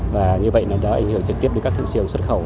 và như vậy nó đã ảnh hưởng trực tiếp đến các thượng siêu xuất khẩu